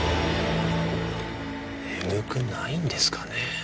眠くないんですかね？